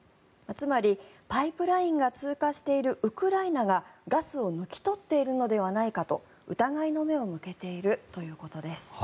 つまり、パイプラインが通過しているウクライナがガスを抜き取っているのではないかと疑いの目を向けているということです。